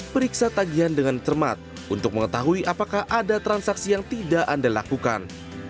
periksa tagihan dengan cermat untuk mengetahui apakah ada transaksi yang tidak anda lakukan